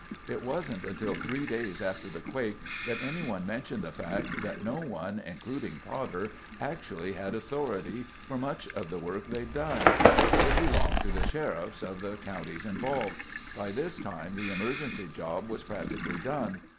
It wasn't until three days after the quake that anyone mentioned the fact that no one, including Potter, actually had authority for much of the work they'd done. It belonged to the sheriffs of the counties involved. By this time the emergency job was practically done.